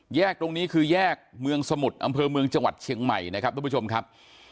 แยกตรงนี้คือแยกเมืองสมุทรอำเภอเมืองจังหวัดเชียงใหม่นะครับทุกผู้ชมครับ